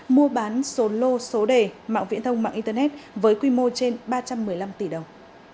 mua bán số lô số đề mạng viễn thông mạng internet với quy mô trên ba trăm một mươi năm tỷ đồng